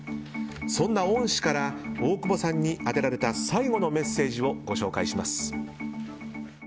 そんな恩師から大久保さんに宛てられた最後のメッセージをご紹介します。